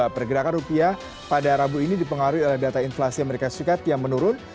pergerakan rupiah pada rabu ini dipengaruhi oleh data inflasi amerika serikat yang menurun